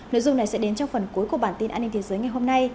nội dung này sẽ đến trong phần cuối của bản tin an ninh thế giới ngày hôm nay